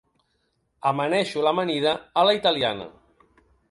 Amaneixo l'amanida a la italiana.